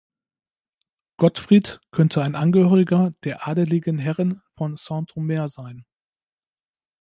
Gottfried könnte ein Angehöriger der adligen Herren von Saint-Omer sein.